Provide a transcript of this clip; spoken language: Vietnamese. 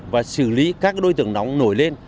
và xử lý các đối tượng nóng nổi lên